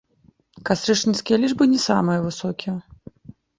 Кастрычніцкія лічбы не самыя высокія.